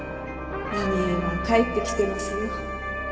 奈美絵は帰ってきてますよ。